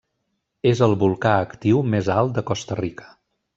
És el volcà actiu més alt de Costa Rica.